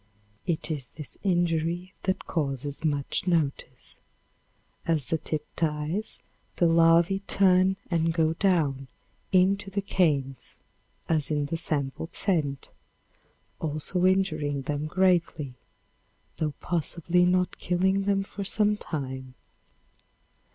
It is this injury that causes much notice. As the tip dies, the larvae turn and go down into the canes, as in the sample sent, also injuring them greatly, though possibly not killing them for some time.